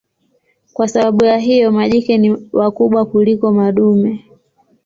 Kwa sababu ya hiyo majike ni wakubwa kuliko madume.